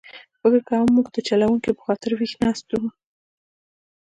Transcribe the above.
فکر کووم زموږ د چلوونکي په خاطر ویښ ناست و.